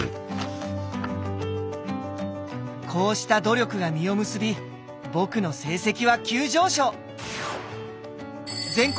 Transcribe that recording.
こうした努力が実を結び僕の成績は急上昇。